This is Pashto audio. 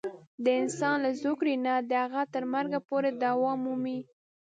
د انسان له زوکړې نه د هغه تر مرګه پورې دوام مومي.